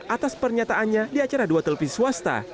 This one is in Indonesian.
atas pernyataannya di acara dua televisi swasta